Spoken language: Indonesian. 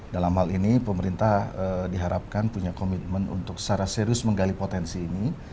dalam hal ini pemerintah diharapkan punya komitmen untuk secara serius menggali potensi ini